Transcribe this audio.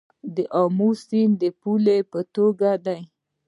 د امو سیند د پولې په توګه دی